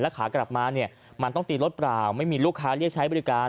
ขากลับมาเนี่ยมันต้องตีรถเปล่าไม่มีลูกค้าเรียกใช้บริการ